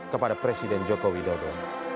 kepada presiden jokowi dodo